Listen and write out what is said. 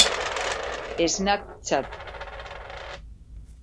Snapchat